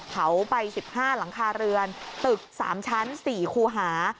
เผาไป๑๕หลังคาเรือนตึก๓ชั้น๔คูหา